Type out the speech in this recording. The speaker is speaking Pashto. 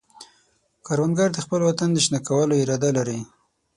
کروندګر د خپل وطن د شنه کولو اراده لري